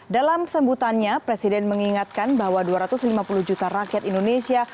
dalam sambutannya presiden mengingatkan bahwa dua ratus lima puluh juta rakyat indonesia